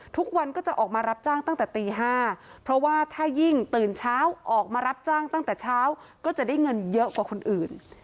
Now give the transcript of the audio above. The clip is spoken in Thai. ทุกวันก็จะออกมารับจ้างตั้งแต่ตี๕เพราะว่าถ้ายิ่งตื่นเช้าออกมารับจ้างตั้งแต่เช้าก็จะได้เงินเยอะกว่าคนอื่น